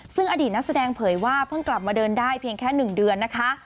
ซึ่งอดีตนักแสดงเผยว่าเพิ่งกลับมาเดินได้เพียงแค่๑เดือนนะคะ